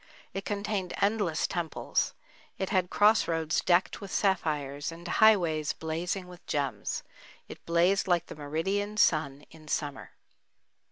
It contained endless temples. It had cross roads decked with sapphires, and highways blazing with gems. It blazed like the meridian sun in summer.